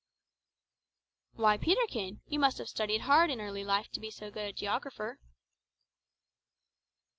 "Why, Peterkin, you must have studied hard in early life to be so good a geographer."